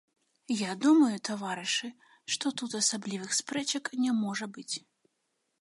Я думаю, таварышы, што тут асаблівых спрэчак не можа быць.